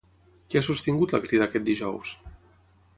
Què ha sostingut la Crida aquest dijous?